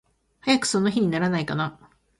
早くその日にならないかな。